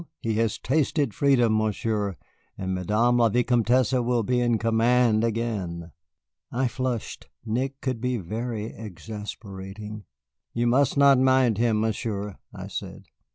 He has tasted freedom, Monsieur, and Madame la Vicomtesse will be in command again." I flushed. Nick could be very exasperating. "You must not mind him, Monsieur," I said.